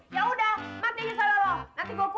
ya udah mati aja salah lo